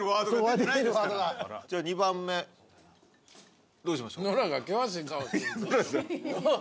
じゃあ２番目どうしましょう。